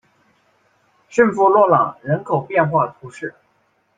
圣夫洛朗人口变化图示